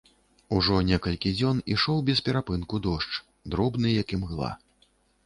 Ужо некалькі дзён ішоў без перапынку дождж, дробны, як імгла.